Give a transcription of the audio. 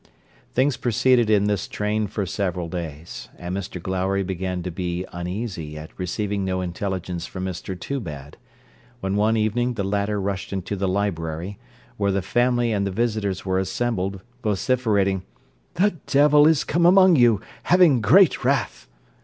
Things proceeded in this train for several days; and Mr Glowry began to be uneasy at receiving no intelligence from Mr Toobad; when one evening the latter rushed into the library, where the family and the visitors were assembled, vociferating, 'The devil is come among you, having great wrath!'